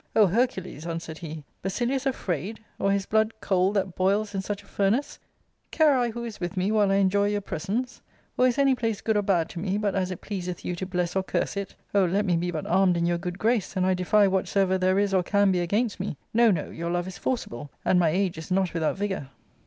" O Hercules !" answered he, " Basilius afraid, or his blood cold that boils in such a fur nace ! Care I who is with me while I enjoy your presence ? or is any place good or bad to me but as it pleaseth you to bless or curse it ? Oh; let me be but armed in your good grace, and I defy whatsoever there is or can be against me. No, no, your love is forcible, and my age is not without vigour."